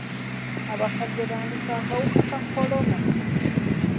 Abakadde bandifa akawuka ka kolona.